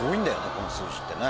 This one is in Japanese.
この数字ってね。